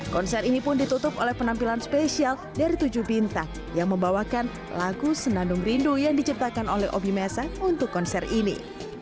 konser ini pun ditutup oleh penampilan spesial dari tujuh bintang yang membawakan lagu senandung rindu yang diciptakan oleh obi mesa untuk konser ini